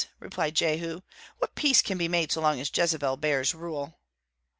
replied Jehu; "what peace can be made so long as Jezebel bears rule?"